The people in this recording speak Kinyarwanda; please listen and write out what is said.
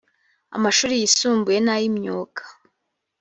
amashuri yisumbuye n’ay’imyuga